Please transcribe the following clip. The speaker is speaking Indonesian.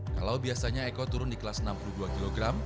kalau biasanya eko turun di kelas enam puluh dua kg